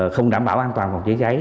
không đảm bảo an toàn phòng cháy cháy